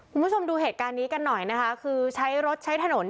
คุณผู้ชมดูเหตุการณ์นี้กันหน่อยนะคะคือใช้รถใช้ถนน